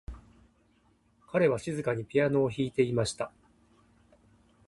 彼は静かにピアノを弾いていました。